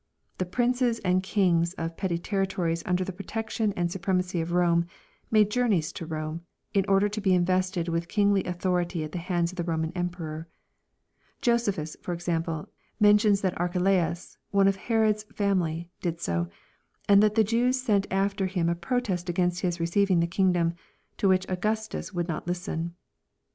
The princes and kings of petty territories under the protection and su premacy of Rome, made journeys to Rome, in order to be invested with kingly authority at the hands of the Roman Emperor. Jo sephus, for example, mentions that Archelaus, one of Herod's fam ily, did so, and that the Jews sent after him a protest against his receiving the kingdom, to which Augustus would not listen.